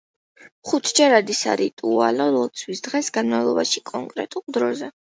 ხუთჯერადი სარიტუალო ლოცვა დღის განმავლობაში კონკრეტულ დროზე.